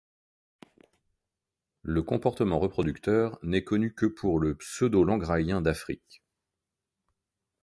Le comportement reproducteur n'est connu que pour le Pseudolangrayen d'Afrique.